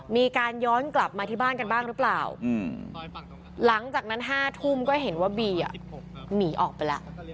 มีการย้อนกลับมาที่บ้านกันบ้างหรือเปล่าหลังจากนั้น๕ทุ่มก็เห็นว่าบีหนีออกไปแล้ว